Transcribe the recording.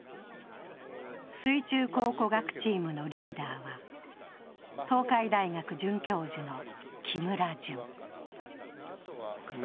水中考古学チームのリーダーは、東海大学准教授の木村淳。